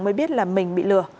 mới biết là mình bị lừa